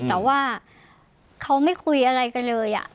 แต่ว่าเขาไม่คุยอะไรกันเลย